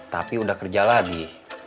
tapi udah kerja lagi